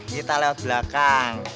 kita lewat belakang